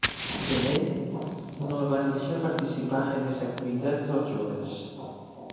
De vell, no el van deixar participar en les activitats dels joves.